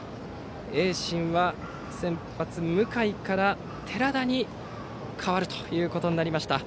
盈進は先発、向井から寺田に代わることになりました。